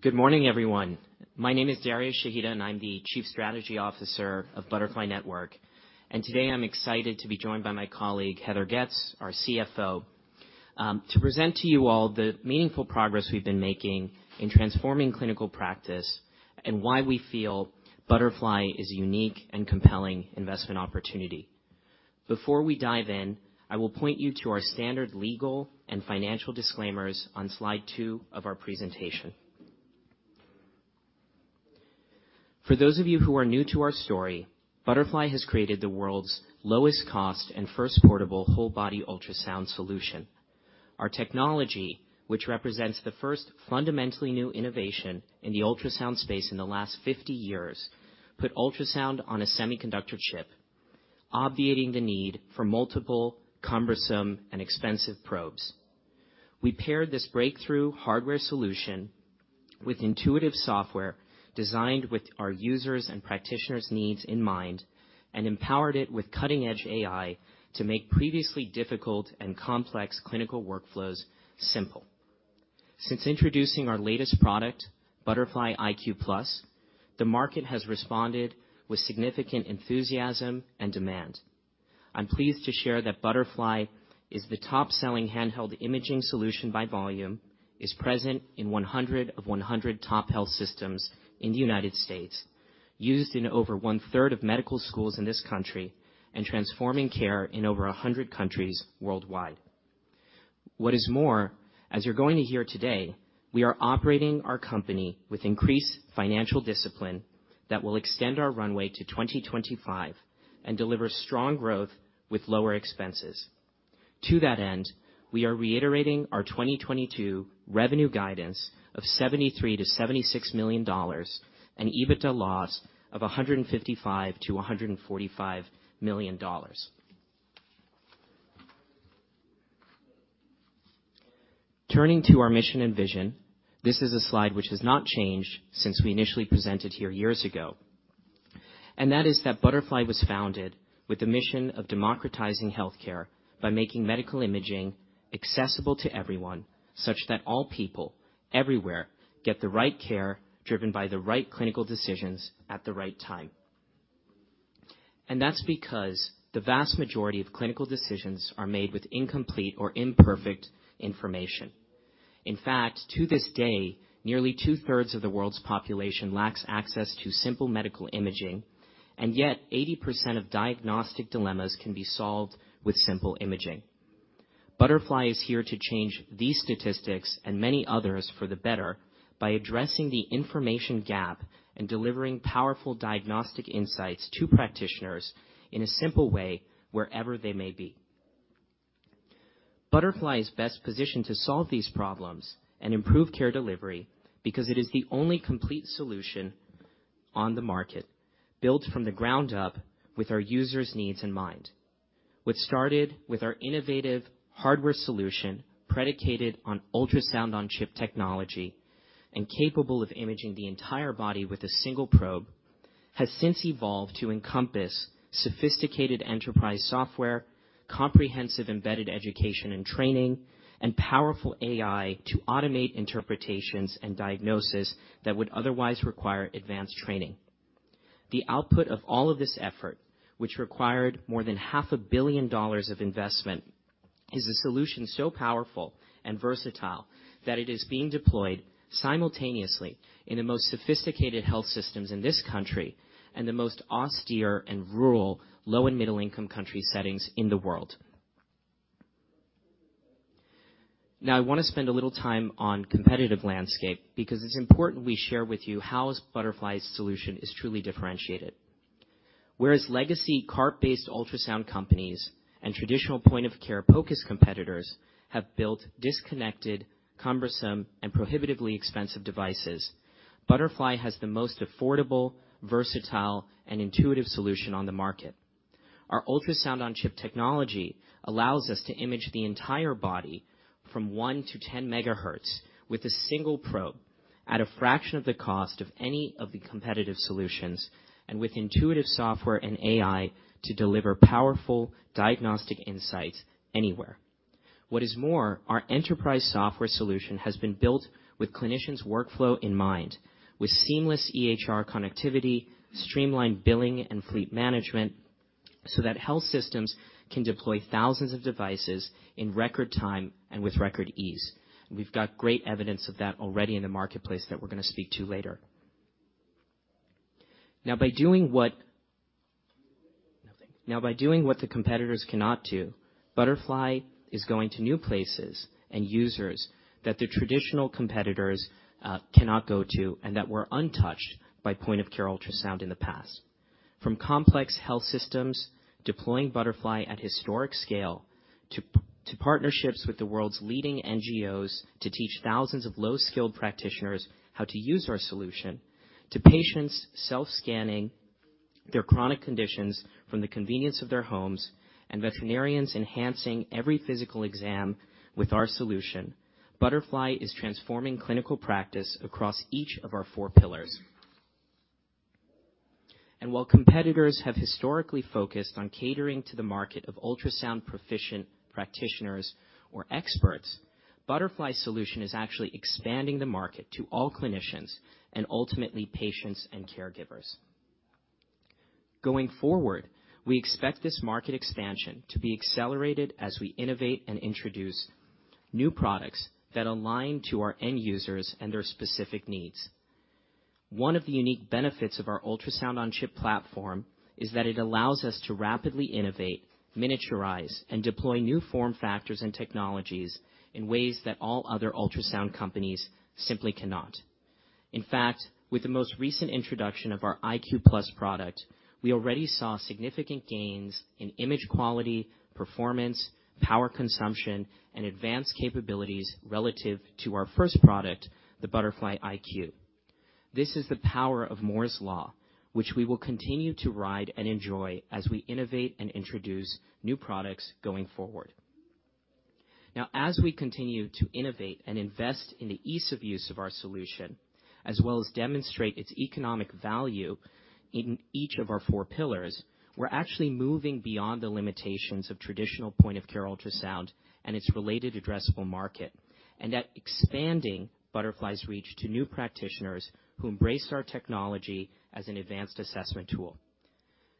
Good morning, everyone. My name is Darius Shahida, and I'm the Chief Strategy Officer of Butterfly Network. Today I'm excited to be joined by my colleague, Heather Getz, our CFO, to present to you all the meaningful progress we've been making in transforming clinical practice and why we feel Butterfly is a unique and compelling investment opportunity. Before we dive in, I will point you to our standard legal and financial disclaimers on slide two of our presentation. For those of you who are new to our story, Butterfly has created the world's lowest cost and first portable whole-body ultrasound solution. Our technology, which represents the first fundamentally new innovation in the ultrasound space in the last 50 years, put ultrasound on a semiconductor chip, obviating the need for multiple cumbersome and expensive probes. We paired this breakthrough hardware solution with intuitive software designed with our users' and practitioners' needs in mind and empowered it with cutting-edge AI to make previously difficult and complex clinical workflows simple. Since introducing our latest product, Butterfly iQ+, the market has responded with significant enthusiasm and demand. I'm pleased to share that Butterfly is the top-selling handheld imaging solution by volume, is present in 100 of 100 top health systems in the United States, used in over one-third of medical schools in this country, and transforming care in over 100 countries worldwide. As you're going to hear today, we are operating our company with increased financial discipline that will extend our runway to 2025 and deliver strong growth with lower expenses. To that end, we are reiterating our 2022 revenue guidance of $73 million-$76 million and EBITDA loss of $155 million-$145 million. Turning to our mission and vision, this is a slide which has not changed since we initially presented here years ago. That is that Butterfly was founded with the mission of democratizing healthcare by making medical imaging accessible to everyone such that all people everywhere get the right care, driven by the right clinical decisions at the right time. That's because the vast majority of clinical decisions are made with incomplete or imperfect information. In fact, to this day, nearly 2/3 of the world's population lacks access to simple medical imaging, and yet 80% of diagnostic dilemmas can be solved with simple imaging. Butterfly is here to change these statistics and many others for the better by addressing the information gap and delivering powerful diagnostic insights to practitioners in a simple way wherever they may be. Butterfly is best positioned to solve these problems and improve care delivery because it is the only complete solution on the market, built from the ground up with our users' needs in mind. What started with our innovative hardware solution predicated on Ultrasound-on-Chip technology and capable of imaging the entire body with a single probe, has since evolved to encompass sophisticated enterprise software, comprehensive embedded education and training, and powerful AI to automate interpretations and diagnosis that would otherwise require advanced training. The output of all of this effort, which required more than $0.5 billion Of investment, is a solution so powerful and versatile that it is being deployed simultaneously in the most sophisticated health systems in this country and the most austere and rural low and middle-income country settings in the world. I wanna spend a little time on competitive landscape because it's important we share with you how Butterfly's solution is truly differentiated. Legacy cart-based ultrasound companies and traditional point-of-care focus competitors have built disconnected, cumbersome, and prohibitively expensive devices, Butterfly has the most affordable, versatile, and intuitive solution on the market. Our Ultrasound-on-Chip technology allows us to image the entire body from 1 to 10 MHz with a single probe at a fraction of the cost of any of the competitive solutions and with intuitive software and AI to deliver powerful diagnostic insights anywhere. What is more, our enterprise software solution has been built with clinicians' workflow in mind, with seamless EHR connectivity, streamlined billing and fleet management, so that health systems can deploy thousands of devices in record time and with record ease. We've got great evidence of that already in the marketplace that we're going to speak to later. By doing what the competitors cannot do, Butterfly is going to new places and users that the traditional competitors cannot go to and that were untouched by point-of-care ultrasound in the past. From complex health systems deploying Butterfly at historic scale to partnerships with the world's leading NGOs to teach thousands of low-skilled practitioners how to use our solution, to patients self-scanning their chronic conditions from the convenience of their homes, and veterinarians enhancing every physical exam with our solution, Butterfly is transforming clinical practice across each of our four pillars. While competitors have historically focused on catering to the market of ultrasound proficient practitioners or experts, Butterfly solution is actually expanding the market to all clinicians and ultimately patients and caregivers. Going forward, we expect this market expansion to be accelerated as we innovate and introduce new products that align to our end users and their specific needs. One of the unique benefits of our Ultrasound-on-Chip platform is that it allows us to rapidly innovate, miniaturize and deploy new form factors and technologies in ways that all other ultrasound companies simply cannot. With the most recent introduction of our iQ+ product, we already saw significant gains in image quality, performance, power consumption and advanced capabilities relative to our first product, the Butterfly iQ. This is the power of Moore's Law, which we will continue to ride and enjoy as we innovate and introduce new products going forward. As we continue to innovate and invest in the ease of use of our solution, as well as demonstrate its economic value in each of our four pillars, we're actually moving beyond the limitations of traditional point-of-care ultrasound and its related addressable market. That expanding Butterfly's reach to new practitioners who embrace our technology as an advanced assessment tool.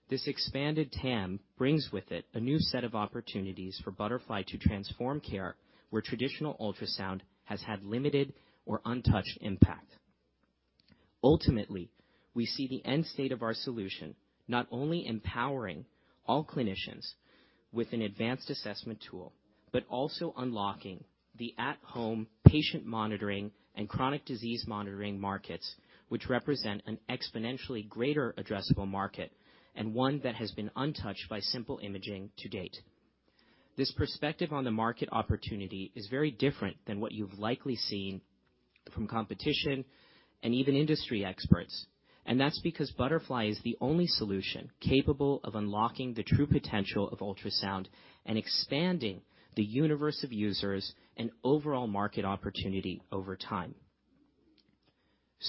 This expanded TAM brings with it a new set of opportunities for Butterfly to transform care where traditional ultrasound has had limited or untouched impact. Ultimately, we see the end state of our solution not only empowering all clinicians with an advanced assessment tool, but also unlocking the at-home patient monitoring and chronic disease monitoring markets, which represent an exponentially greater addressable market and one that has been untouched by simple imaging to date. This perspective on the market opportunity is very different than what you've likely seen from competition and even industry experts. That's because Butterfly is the only solution capable of unlocking the true potential of ultrasound and expanding the universe of users and overall market opportunity over time.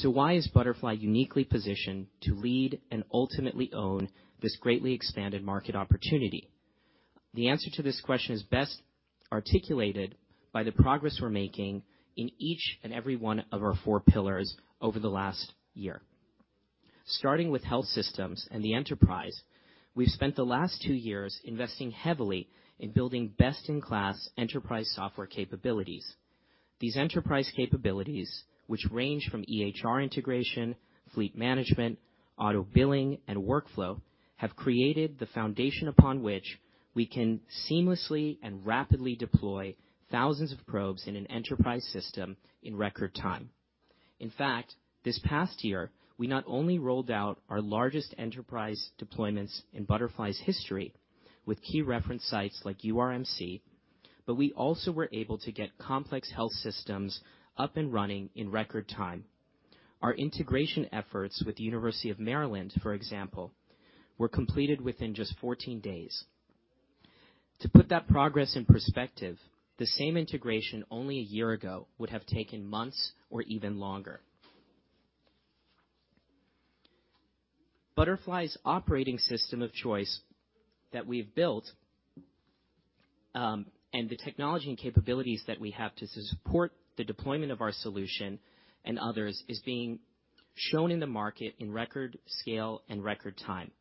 Why is Butterfly uniquely positioned to lead and ultimately own this greatly expanded market opportunity? The answer to this question is best articulated by the progress we're making in each and every one of our four pillars over the last year. Starting with health systems and the enterprise, we've spent the last two years investing heavily in building best in class enterprise software capabilities. These enterprise capabilities, which range from EHR integration, fleet management, auto billing, and workflow, have created the foundation upon which we can seamlessly and rapidly deploy thousands of probes in an enterprise system in record time. In fact, this past year, we not only rolled out our largest enterprise deployments in Butterfly's history with key reference sites like URMC, but we also were able to get complex health systems up and running in record time. Our integration efforts with the University of Maryland, for example, were completed within just 14 days. To put that progress in perspective, the same integration only a year ago would have taken months or even longer. Butterfly's operating system of choice that we've built, and the technology and capabilities that we have to support the deployment of our solution and others is being shown in the market in record scale and record time.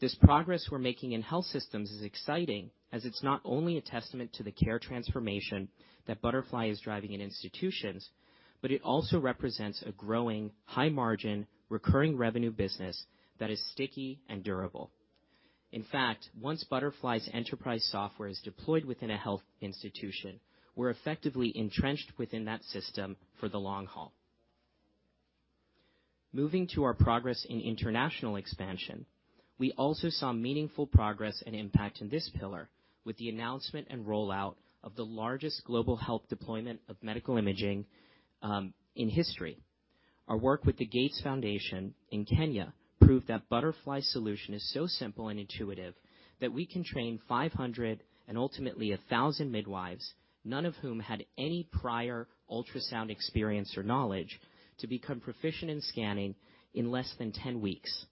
This progress we're making in health systems is exciting as it's not only a testament to the care transformation that Butterfly is driving in institutions, but it also represents a growing, high margin, recurring revenue business that is sticky and durable. In fact, once Butterfly's enterprise software is deployed within a health institution, we're effectively entrenched within that system for the long haul. Moving to our progress in international expansion, we also saw meaningful progress and impact in this pillar with the announcement and rollout of the largest global health deployment of medical imaging in history. Our work with the Gates Foundation in Kenya proved that Butterfly solution is so simple and intuitive that we can train 500 and ultimately 1,000 midwives, none of whom had any prior ultrasound experience or knowledge, to become proficient in scanning in less than 10 weeks.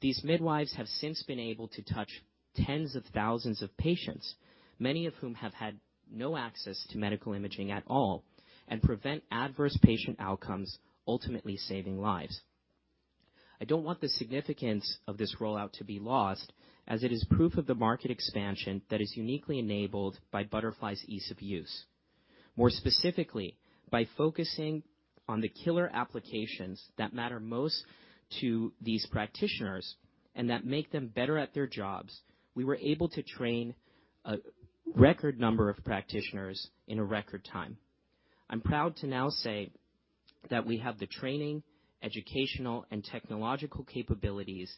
These midwives have since been able to touch tens of thousands of patients, many of whom have had no access to medical imaging at all, and prevent adverse patient outcomes, ultimately saving lives. I don't want the significance of this rollout to be lost as it is proof of the market expansion that is uniquely enabled by Butterfly's ease of use. More specifically, by focusing on the killer applications that matter most to these practitioners and that make them better at their jobs, we were able to train a record number of practitioners in a record time. I'm proud to now say that we have the training, educational, and technological capabilities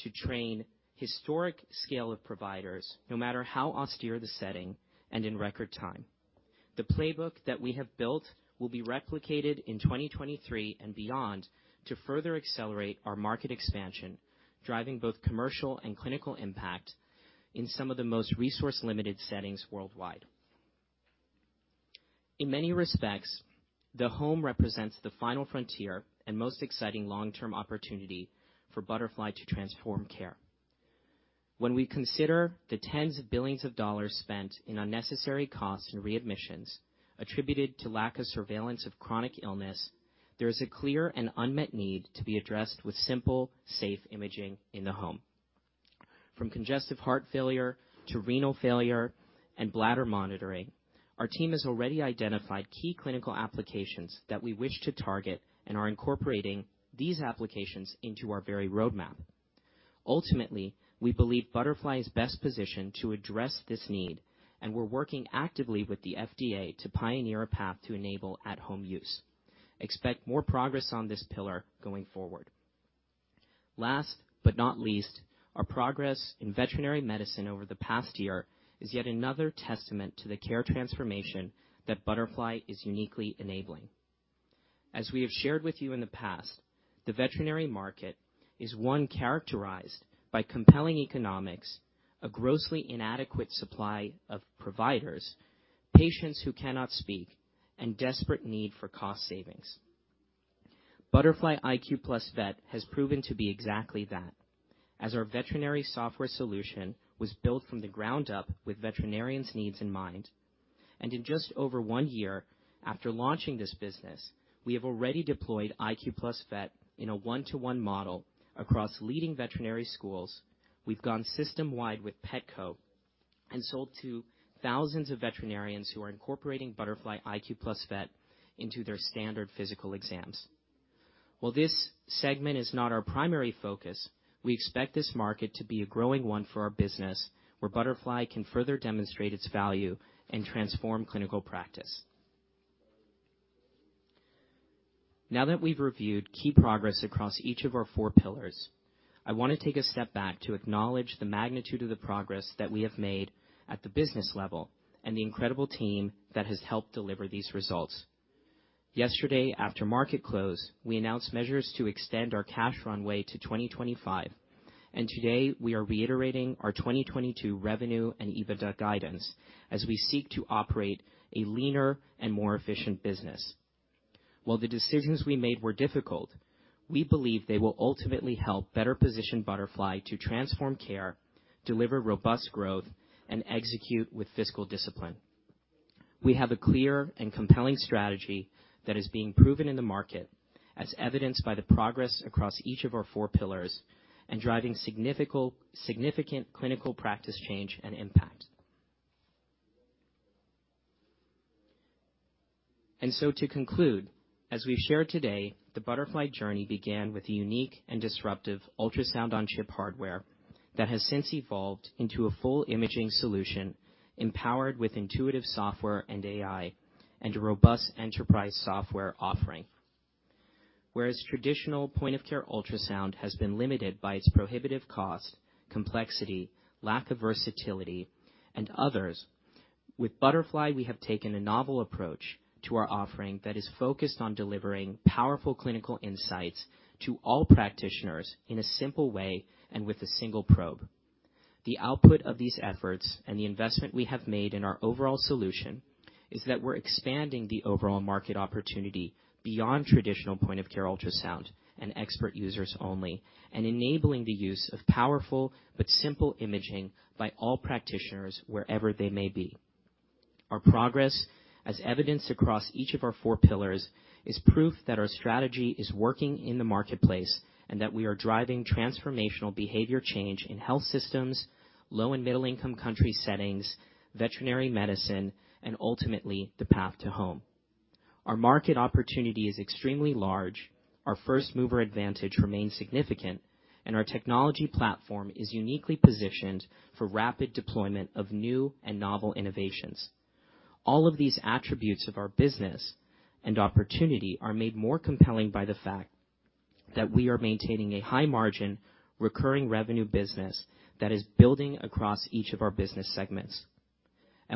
to train historic scale of providers no matter how austere the setting and in record time. The playbook that we have built will be replicated in 2023 and beyond to further accelerate our market expansion, driving both commercial and clinical impact in some of the most resource-limited settings worldwide. In many respects, the home represents the final frontier and most exciting long-term opportunity for Butterfly to transform care. When we consider the tens of billions of dollars spent in unnecessary costs and readmissions attributed to lack of surveillance of chronic illness, there is a clear and unmet need to be addressed with simple, safe imaging in the home. From congestive heart failure to renal failure and bladder monitoring, our team has already identified key clinical applications that we wish to target and are incorporating these applications into our very roadmap. Ultimately, we believe Butterfly is best positioned to address this need, and we're working actively with the FDA to pioneer a path to enable at-home use. Expect more progress on this pillar going forward. Last but not least, our progress in veterinary medicine over the past year is yet another testament to the care transformation that Butterfly is uniquely enabling. As we have shared with you in the past, the veterinary market is one characterized by compelling economics, a grossly inadequate supply of providers, patients who cannot speak, and desperate need for cost savings. Butterfly iQ+ Vet has proven to be exactly that, as our veterinary software solution was built from the ground up with veterinarians' needs in mind. In just over 1 year after launching this business, we have already deployed iQ+ Vet in a one-to-one model across leading veterinary schools. We've gone system-wide with Petco and sold to thousands of veterinarians who are incorporating Butterfly iQ+ Vet into their standard physical exams. While this segment is not our primary focus, we expect this market to be a growing one for our business, where Butterfly can further demonstrate its value and transform clinical practice. Now that we've reviewed key progress across each of our four pillars, I wanna take a step back to acknowledge the magnitude of the progress that we have made at the business level and the incredible team that has helped deliver these results. Yesterday, after market close, we announced measures to extend our cash runway to 2025. Today we are reiterating our 2022 revenue and EBITDA guidance as we seek to operate a leaner and more efficient business. While the decisions we made were difficult, we believe they will ultimately help better position Butterfly to transform care, deliver robust growth, and execute with fiscal discipline. We have a clear and compelling strategy that is being proven in the market, as evidenced by the progress across each of our four pillars and driving significant clinical practice change and impact. To conclude, as we've shared today, the Butterfly journey began with a unique and disruptive Ultrasound-on-Chip hardware that has since evolved into a full imaging solution empowered with intuitive software and AI and a robust enterprise software offering. Whereas traditional point-of-care ultrasound has been limited by its prohibitive cost, complexity, lack of versatility, and others, with Butterfly, we have taken a novel approach to our offering that is focused on delivering powerful clinical insights to all practitioners in a simple way and with a single probe. The output of these efforts and the investment we have made in our overall solution is that we're expanding the overall market opportunity beyond traditional point-of-care ultrasound and expert users only and enabling the use of powerful but simple imaging by all practitioners wherever they may be. Our progress, as evidenced across each of our four pillars, is proof that our strategy is working in the marketplace and that we are driving transformational behavior change in health systems, low and middle-income country settings, veterinary medicine, and ultimately, the path to home. Our market opportunity is extremely large, our first-mover advantage remains significant, and our technology platform is uniquely positioned for rapid deployment of new and novel innovations. All of these attributes of our business and opportunity are made more compelling by the fact that we are maintaining a high margin, recurring revenue business that is building across each of our business segments.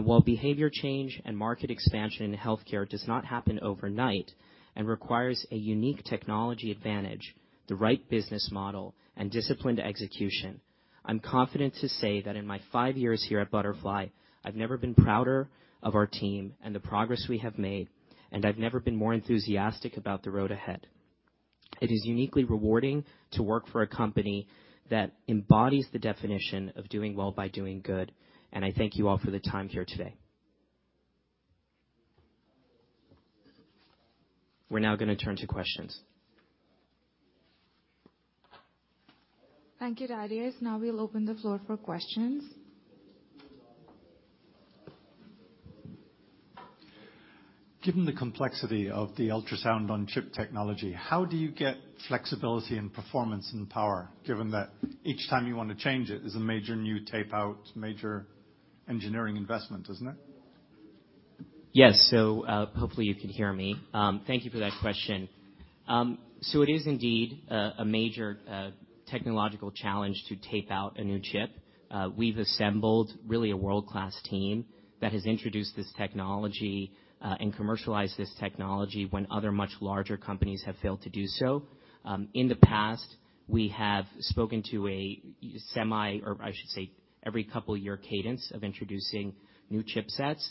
While behavior change and market expansion in healthcare does not happen overnight and requires a unique technology advantage, the right business model, and disciplined execution, I'm confident to say that in my five years here at Butterfly, I've never been prouder of our team and the progress we have made, and I've never been more enthusiastic about the road ahead. It is uniquely rewarding to work for a company that embodies the definition of doing well by doing good, and I thank you all for the time here today. We're now gonna turn to questions. Thank you, Darius. Now we'll open the floor for questions. Given the complexity of the Ultrasound-on-Chip technology, how do you get flexibility and performance and power, given that each time you wanna change it is a major new tape-out, major engineering investment, isn't it? Yes. Hopefully you can hear me. Thank you for that question. It is indeed a major technological challenge to tape-out a new chip. We've assembled really a world-class team that has introduced this technology and commercialized this technology when other much larger companies have failed to do so. In the past, we have spoken to every couple year cadence of introducing new chipsets.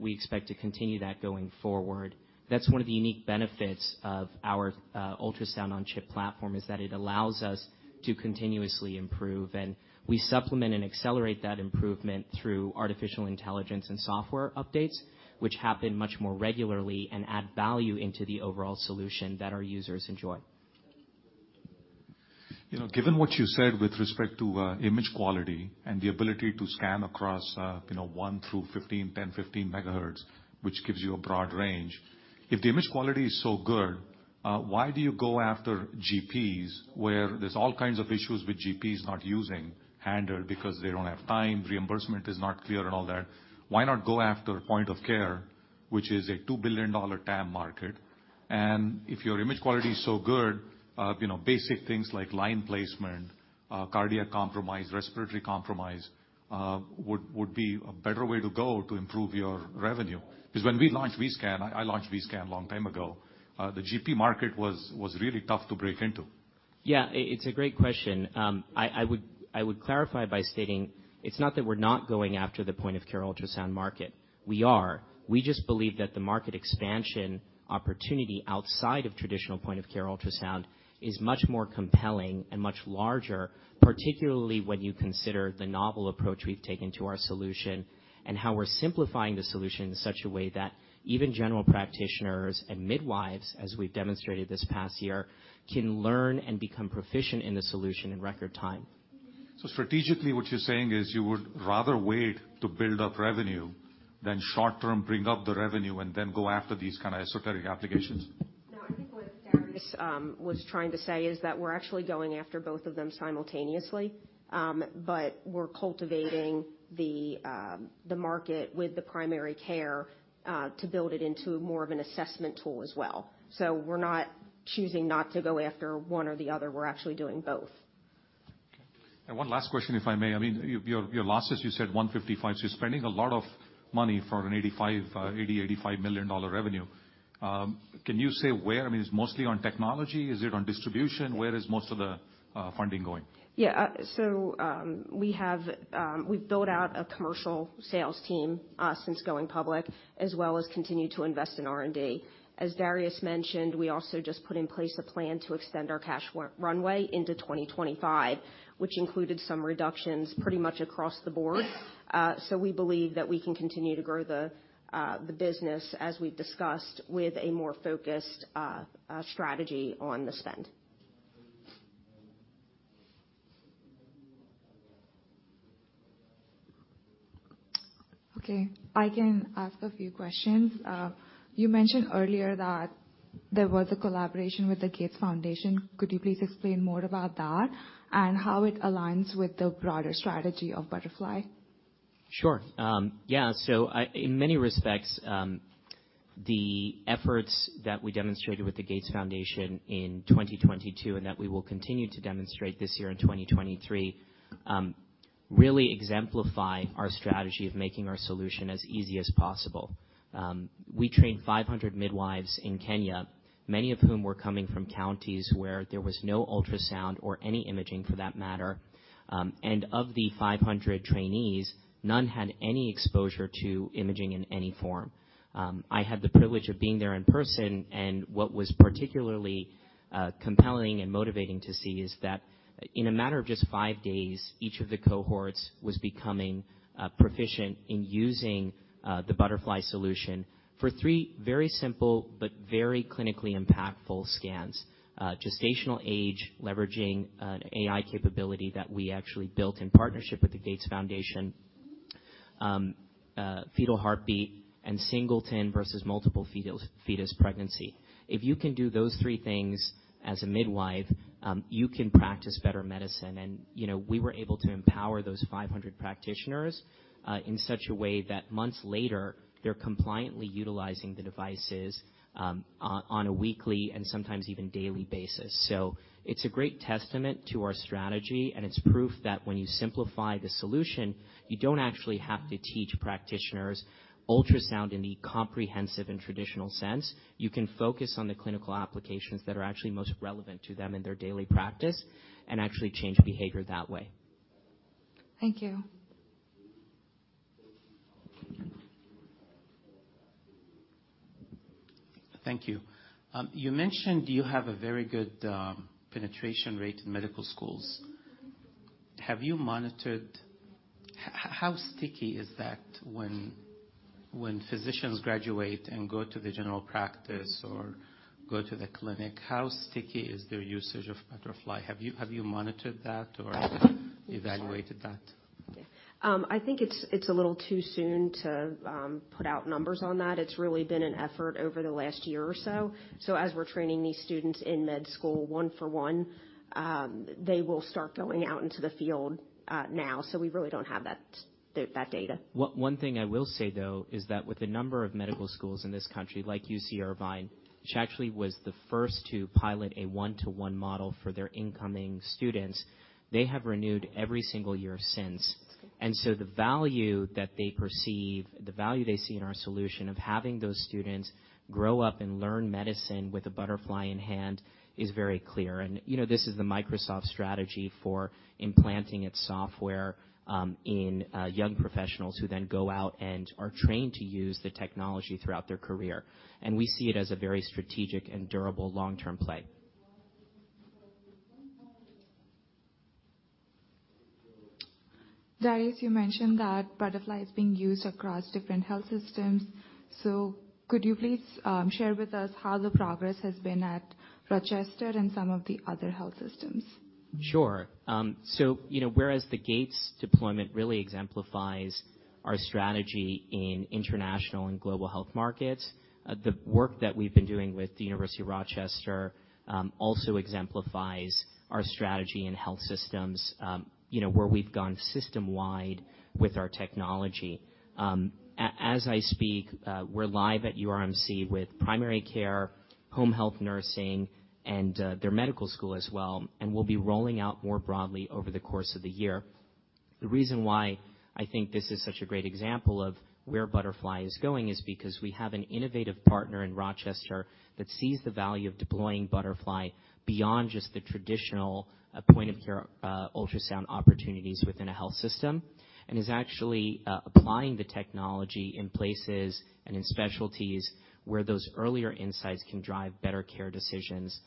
We expect to continue that going forward. That's one of the unique benefits of our Ultrasound-on-Chip platform, is that it allows us to continuously improve, and we supplement and accelerate that improvement through artificial intelligence and software updates, which happen much more regularly and add value into the overall solution that our users enjoy. You know, given what you said with respect to image quality and the ability to scan across, you know, one through 15, 10, 15 MHz, which gives you a broad range, if the image quality is so good, why do you go after GPs where there's all kinds of issues with GPs not using hand or because they don't have time, reimbursement is not clear and all that? Why not go after point of care, which is a $2 billion TAM market? If your image quality is so good, you know, basic things like line placement, cardiac compromise, respiratory compromise, would be a better way to go to improve your revenue. 'Cause when we launched Vscan, I launched Vscan a long time ago, the GP market was really tough to break into. It's a great question. I would clarify by stating it's not that we're not going after the point-of-care ultrasound market, we are. We just believe that the market expansion opportunity outside of traditional point-of-care ultrasound is much more compelling and much larger, particularly when you consider the novel approach we've taken to our solution and how we're simplifying the solution in such a way that even general practitioners and midwives, as we've demonstrated this past year, can learn and become proficient in the solution in record time. Strategically, what you're saying is you would rather wait to build up revenue than short term bring up the revenue and then go after these kind of esoteric applications? No, I think what Darius was trying to say is that we're actually going after both of them simultaneously, but we're cultivating the market with the primary care to build it into more of an assessment tool as well. We're not choosing not to go after one or the other. We're actually doing both. Okay. One last question, if I may. I mean, your losses, you said $155 million, you're spending a lot of money for an $85 million revenue. Can you say where? I mean, it's mostly on technology. Is it on distribution? Where is most of the funding going? Yeah. We've built out a commercial sales team since going public, as well as continued to invest in R&D. As Darius mentioned, we also just put in place a plan to extend our cash runway into 2025, which included some reductions pretty much across the board. We believe that we can continue to grow the business as we've discussed with a more focused strategy on the spend. I can ask a few questions. You mentioned earlier that there was a collaboration with the Gates Foundation. Could you please explain more about that and how it aligns with the broader strategy of Butterfly? Sure. In many respects, the efforts that we demonstrated with the Gates Foundation in 2022, and that we will continue to demonstrate this year in 2023, really exemplify our strategy of making our solution as easy as possible. We trained 500 midwives in Kenya, many of whom were coming from counties where there was no ultrasound or any imaging for that matter. Of the 500 trainees, none had any exposure to imaging in any form. I had the privilege of being there in person, and what was particularly compelling and motivating to see is that in a matter of just five days, each of the cohorts was becoming proficient in using the Butterfly solution for three very simple but very clinically impactful scans. Gestational age, leveraging an AI capability that we actually built in partnership with the Gates Foundation, fetal heartbeat and singleton versus multiple fetus pregnancy. If you can do those three things as a midwife, you can practice better medicine. You know, we were able to empower those 500 practitioners in such a way that months later, they're compliantly utilizing the devices on a weekly and sometimes even daily basis. It's a great testament to our strategy, and it's proof that when you simplify the solution, you don't actually have to teach practitioners ultrasound in the comprehensive and traditional sense. You can focus on the clinical applications that are actually most relevant to them in their daily practice and actually change behavior that way. Thank you. Thank you. Thank you. You mentioned you have a very good penetration rate in medical schools. How sticky is that when physicians graduate and go to the general practice or go to the clinic? How sticky is their usage of Butterfly? Have you monitored that or evaluated that? I think it's a little too soon to put out numbers on that. It's really been an effort over the last year or so. As we're training these students in med school one-for-one, they will start going out into the field now. We really don't have that data. One thing I will say, though, is that with the number of medical schools in this country, like UC Irvine, which actually was the first to pilot a one-to-one model for their incoming students, they have renewed every single year since. That's good. The value they see in our solution of having those students grow up and learn medicine with a Butterfly in hand is very clear. You know, this is the Microsoft strategy for implanting its software in young professionals who then go out and are trained to use the technology throughout their career. We see it as a very strategic and durable long-term play. Darius, you mentioned that Butterfly is being used across different health systems. Could you please share with us how the progress has been at Rochester and some of the other health systems? Sure. You know, whereas the Gates deployment really exemplifies our strategy in international and global health markets, the work that we've been doing with the University of Rochester, also exemplifies our strategy in health systems, you know, where we've gone system-wide with our technology. As I speak, we're live at URMC with primary care, home health nursing, and their medical school as well, and we'll be rolling out more broadly over the course of the year. The reason why I think this is such a great example of where Butterfly is going is because we have an innovative partner in Rochester that sees the value of deploying Butterfly beyond just the traditional, point of care, ultrasound opportunities within a health system, and is actually, applying the technology in places and in specialties where those earlier insights can drive better care decisions,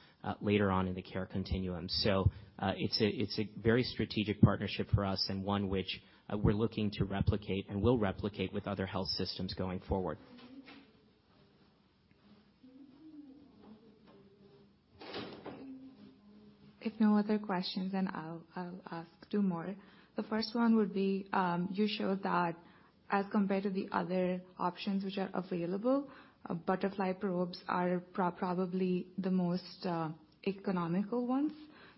later on in the care continuum. It's a, it's a very strategic partnership for us and one which, we're looking to replicate and will replicate with other health systems going forward. If no other questions, I'll ask two more. The first one would be, you showed that as compared to the other options which are available, Butterfly probes are probably the most economical ones.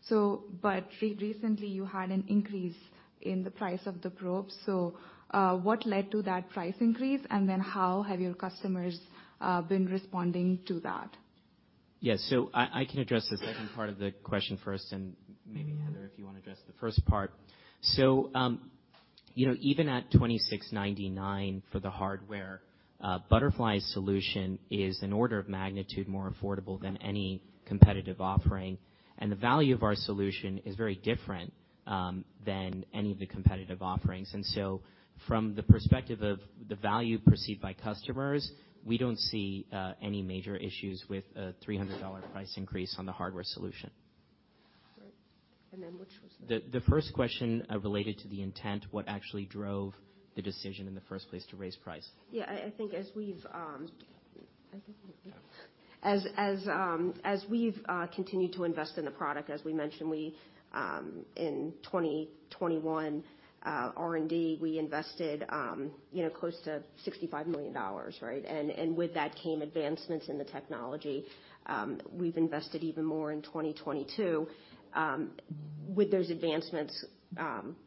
Recently, you had an increase in the price of the probes. What led to that price increase? How have your customers been responding to that? Yeah. I can address the second part of the question first, maybe. Mm-hmm ...Heather, if you wanna address the first part. You know, even at $2,699 for the hardware, Butterfly's solution is an order of magnitude more affordable than any competitive offering. The value of our solution is very different than any of the competitive offerings. From the perspective of the value perceived by customers, we don't see any major issues with a $300 price increase on the hardware solution. Right. Then which was the-. The first question related to the intent, what actually drove the decision in the first place to raise price. Yeah. I think. Yeah. As we've continued to invest in the product, as we mentioned, we in 2021 R&D, we invested, you know, close to $65 million, right? With that came advancements in the technology. We've invested even more in 2022. With those advancements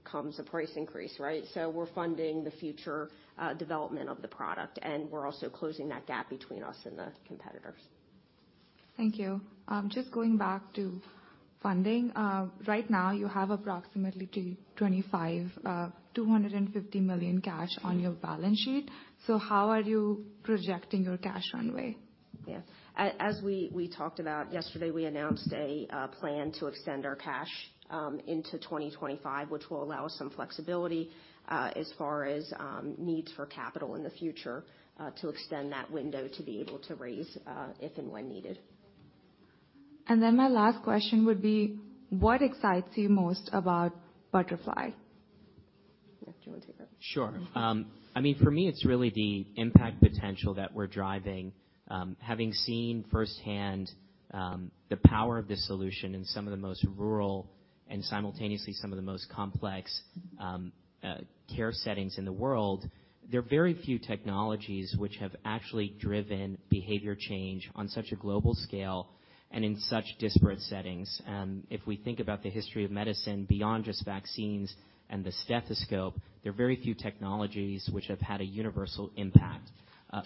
comes a price increase, right? We're funding the future development of the product, and we're also closing that gap between us and the competitors. Thank you. Just going back to funding. Right now, you have approximately $250 million cash on your balance sheet. How are you projecting your cash runway? Yes. As we talked about yesterday, we announced a plan to extend our cash into 2025, which will allow us some flexibility as far as needs for capital in the future to extend that window to be able to raise if and when needed. My last question would be, what excites you most about Butterfly? Do you want to take that? Sure. Mm-hmm. I mean, for me, it's really the impact potential that we're driving. Having seen firsthand, the power of this solution in some of the most rural and simultaneously some of the most complex care settings in the world, there are very few technologies which have actually driven behavior change on such a global scale and in such disparate settings. If we think about the history of medicine beyond just vaccines and the stethoscope, there are very few technologies which have had a universal impact.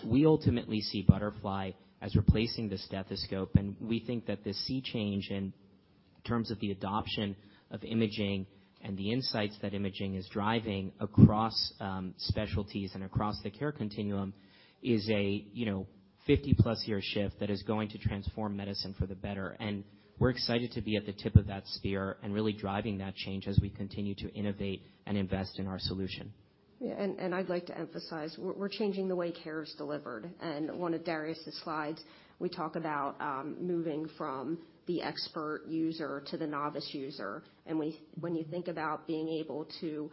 We ultimately see Butterfly as replacing the stethoscope, and we think that the sea change in terms of the adoption of imaging and the insights that imaging is driving across specialties and across the care continuum is a, you know, 50-plus year shift that is going to transform medicine for the better. We're excited to be at the tip of that spear and really driving that change as we continue to innovate and invest in our solution. I'd like to emphasize, we're changing the way care is delivered. One of Darius' slides, we talk about moving from the expert user to the novice user. When you think about being able to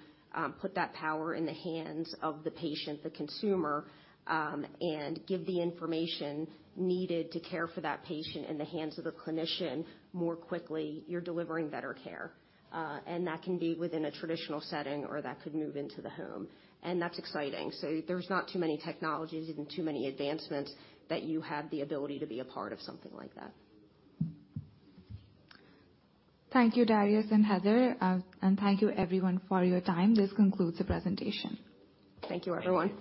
put that power in the hands of the patient, the consumer, and give the information needed to care for that patient in the hands of the clinician more quickly, you're delivering better care. That can be within a traditional setting or that could move into the home. That's exciting. There's not too many technologies, even too many advancements that you have the ability to be a part of something like that. Thank you, Darius and Heather. Thank you everyone for your time. This concludes the presentation. Thank you, everyone.